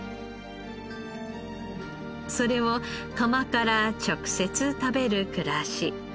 それを釜から直接食べる暮らし。